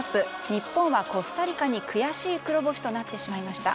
日本はコスタリカに悔しい黒星となってしまいました。